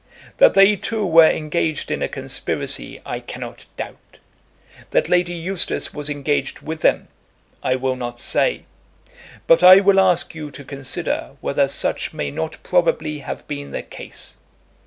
That they two were engaged in a conspiracy I cannot doubt. That Lady Eustace was engaged with them, I will not say. But I will ask you to consider whether such may not probably have been the case.